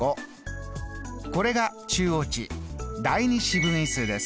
これが中央値第２四分位数です。